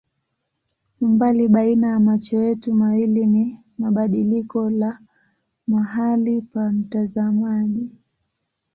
Umbali baina ya macho yetu mawili ni badiliko la mahali pa mtazamaji.